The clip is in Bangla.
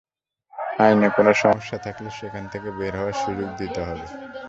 আইনে কোনো সমস্যা থাকলে সেখান থেকে বের হওয়ার সুযোগ দিতে হবে।